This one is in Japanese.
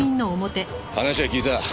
話は聞いた。